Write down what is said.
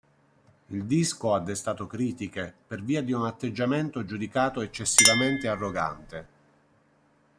Il disco ha destato critiche per via di un atteggiamento giudicato eccessivamente arrogante.